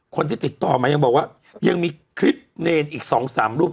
คนที่ติดต่อมายังบอกว่ายังมีคลิปเนรอีก๒๓รูป